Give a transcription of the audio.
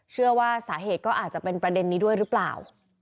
เชื่อว่าสาเหตุก็อาจจะเป็นประเด็นนี้ด้วยหรือเปล่า